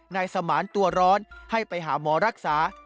นายสมานตัวร้อนให้ไปหาหมอรักษา